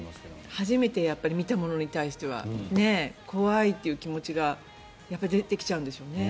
初めて見たものに対しては怖いという気持ちがやっぱり出てきちゃうんでしょうね。